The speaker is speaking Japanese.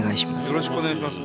よろしくお願いします。